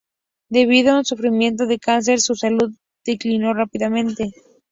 Debido a un sufrimiento de cáncer, su salud declinó rápidamente.